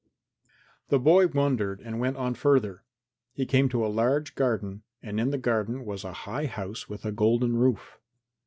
V The boy wondered and went on further. He came to a large garden and in the garden was a high house with a golden roof.